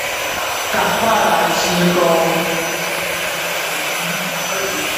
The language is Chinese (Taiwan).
趕快來吃鉤